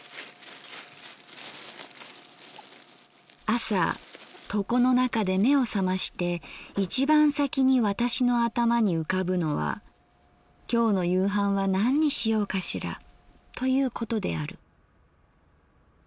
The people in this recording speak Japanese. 「あさ床の中で眼をさまして一番さきに私の頭に浮かぶのは今日の夕飯は何にしようかしらということである。